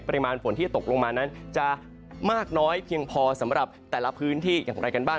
ฝนที่ตกลงมานั้นจะมากน้อยเพียงพอสำหรับแต่ละพื้นที่อย่างไรกันบ้าง